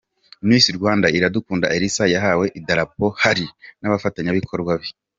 Miss Rwanda Iradukunda Elsa yahawe idarapo hari n'abafatanyabikorwa be.